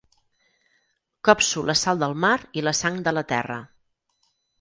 Copso la sal del mar i la sang de la terra.